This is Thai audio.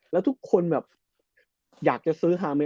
แล้วทุกคนแบบอยากจะซื้อฮาเม